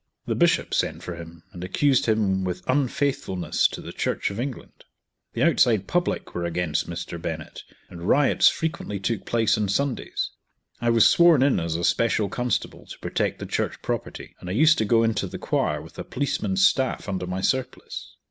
The Bishop sent for him, and accused him with unfaithfulness to the Church of England. The outside public were against Mr. Bennett, and riots frequently took place on Sundays. I was sworn in as a special constable to protect the church property, and I used to go into the choir with a policeman's staff under my surplice.